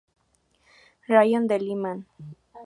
Raión de Limán